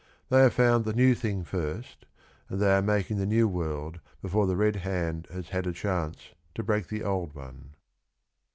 They have found the new thing first, and they are making the new world before the Red Hand has had a chance to break the old one.